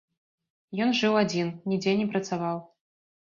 Ён жыў адзін, нідзе не працаваў.